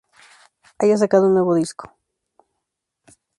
haya sacado un nuevo disco